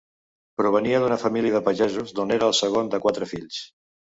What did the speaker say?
Provenia d'una família de pagesos, d'on era el segon de quatre fills.